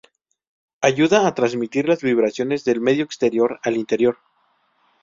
Ayuda a transmitir las vibraciones del medio exterior al interior.